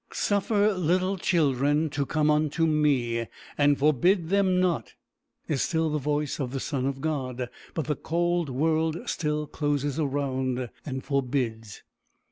"Suffer little children to come unto me, and forbid them not," is still the voice of the Son of God; but the cold world still closes around and forbids.